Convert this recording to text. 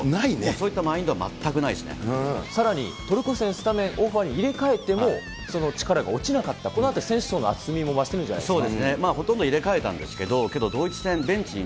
そういったマインドはないでさらにトルコ戦、スタメン入れ代えても入れ替えても、その力が落ちなかった、このあたり、選手層の厚みも増してるんじゃないですか。